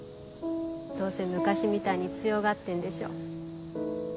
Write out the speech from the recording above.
どうせ昔みたいに強がってんでしょ。